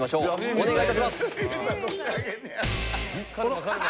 お願いいたします！